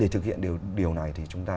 để thực hiện điều này thì chúng ta